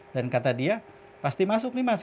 dan kata dia pasti masuk nih mas